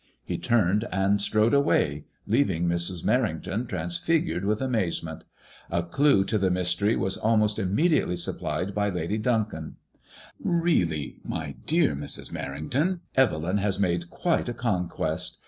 He turned and strode away, leaving Mrs. Merrington trans figured with amazement. A clue to the mystery was almost im mediately supplied by Lady Duncombe. "Really, my dear Mrs. Mer rington, Evelyn has made quite a conquest.